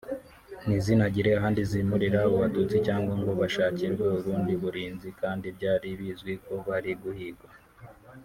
ntizinagire ahandi zimurira abo batutsi cyangwa ngo bashakirwe ubundi burinzi kandi byari bizwi ko bari guhigwa